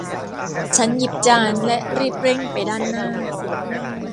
ฉันหยิบจานและรีบเร่งไปด้านหน้า